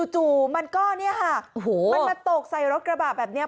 จู่มันก็เนี่ยค่ะมันมาตกใส่รถกระบะแบบนี้